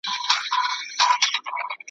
ټول خلک حیران شول